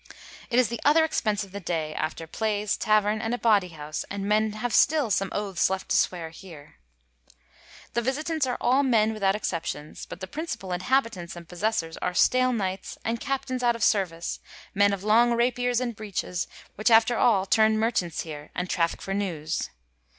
It is the other expence of the day, after Playes, Tauerne, and a Baudy House, and men haue still some Oathes left to sweare here. ... The Visitants are all men without exceptions, but the principall Inhabitants and possessors are stale Knights, and Oaptaines out of Seruice, men of long Rapiers, and Breeches, which after all tume merchants here, and trafficke for newes.